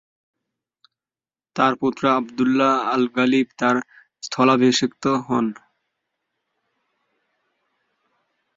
তার পুত্র আবদুল্লাহ আল-গালিব তার স্থলাভিষিক্ত হন।